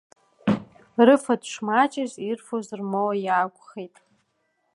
Рыфатә шмаҷыз, ирфоз рмоуа иаақәхеит.